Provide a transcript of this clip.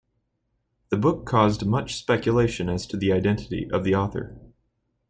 The book caused much speculation as to the identity of the author.